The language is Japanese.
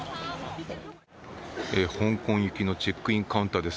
香港行きのチェックインカウンターです。